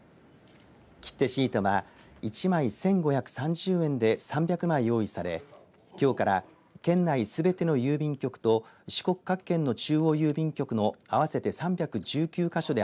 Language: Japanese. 切手シートは１枚１５３０円で３００枚用意されきょうから県内すべての郵便局と四国各県の中央郵便局の合わせて３１９か所で